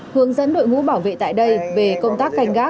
hướng dẫn đội ngũ bảo vệ tại đây về công tác canh gác